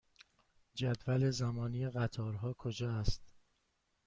جدول زمانی قطارها کجا است؟